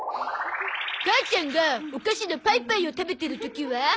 母ちゃんがお菓子のパイパイを食べてる時は？